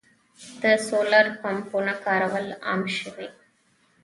د سولر پمپونو کارول عام شوي.